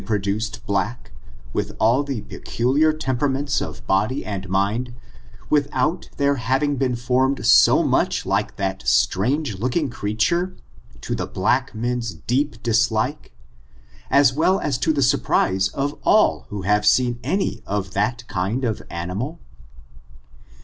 22S prodaced black, with all the peculiar temperaments of body and mind, without their having been formed po much Ukc that strange looking creature, to the black man's deep dislike, as well as to the surprise of all who have seen any of that kind of animal